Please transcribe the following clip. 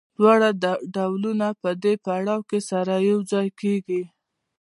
دواړه ډولونه په دې پړاو کې سره یوځای کېږي